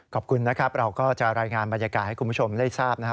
ขอบคุณนะครับเราก็จะรายงานบรรยากาศให้คุณผู้ชมได้ทราบนะครับ